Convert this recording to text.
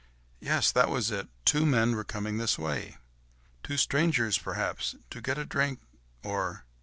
Yes! that was it! two men were coming this way. Two strangers perhaps, to get a drink, or